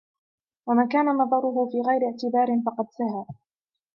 وَمَنْ كَانَ نَظَرُهُ فِي غَيْرِ اعْتِبَارٍ فَقَدْ سَهَا